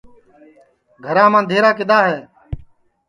گھرام اندھیرا کِدؔا ہے